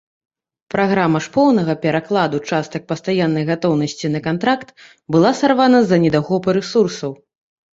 Праграма ж поўнага перакладу частак пастаяннай гатоўнасці на кантракт была сарвана з-за недахопу рэсурсаў.